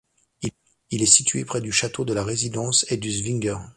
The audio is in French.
Il est situé près du Château de la Résidence et du Zwinger.